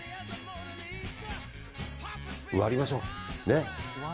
割りましょう。ね。